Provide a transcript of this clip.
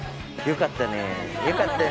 よかったね。